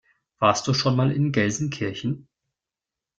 Warst du schon mal in Gelsenkirchen?